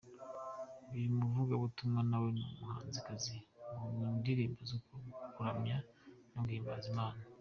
Uyu muvugabutumwa, nawe ni n’umuhanzikazi mu ndirimbo zo kuramya no guhimbaza Imana.